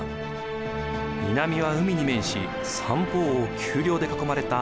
南は海に面し三方を丘陵で囲まれた